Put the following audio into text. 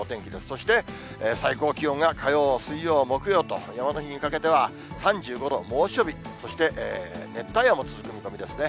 そして最高気温が火曜、水曜、木曜と、山の日にかけては３５度、猛暑日、そして熱帯夜も続く見込みですね。